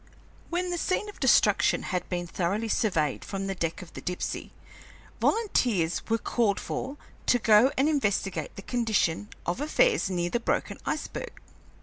When the scene of destruction had been thoroughly surveyed from the deck of the Dipsey, volunteers were called for to go and investigate the condition of affairs near the broken iceberg.